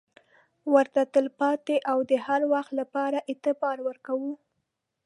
ورته تل پاتې او د هروخت لپاره اعتبار ورکوو.